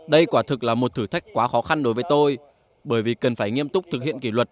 đây quả thực là một thử thách quá khó khăn đối với tôi bởi vì cần phải nghiêm túc thực hiện kỷ luật